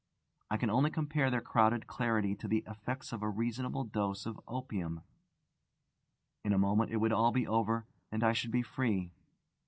I can only compare their crowded clarity to the effects of a reasonable dose of opium. In a moment it would all be over, and I should be free.